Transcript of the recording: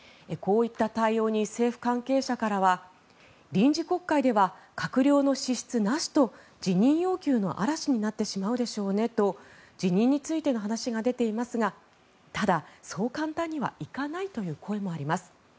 こういった対応に政府関係者からは臨時国会では閣僚の資質なしと辞任要求の嵐になってしまうでしょうねと辞任についての話が出ていますがただそう簡単にはいかないという声もあります。